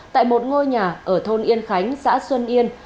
tại một ngôi nhà ở thôn yên khánh xã xuân yên